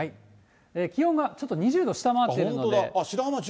気温がちょっと２０度を下回ってるんで。